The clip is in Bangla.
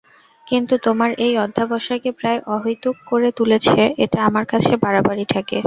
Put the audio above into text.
কিন্তু তোমার এই অধ্যবসায়কে প্রায় অহৈতুক করে তুলেছ এটা আমার কাছে বাড়াবাড়ি ঠেকে।